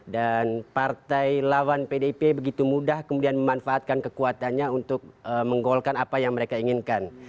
dan partai lawan pdip begitu mudah kemudian memanfaatkan kekuatannya untuk menggolkan apa yang mereka inginkan